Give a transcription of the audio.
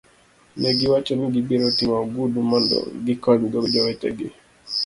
Ne giwacho ni gibiro ting'o ogudu mondo gikonygo jowetegi.